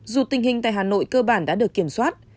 dù tình hình tại hà nội cơ bản đã được kiểm soát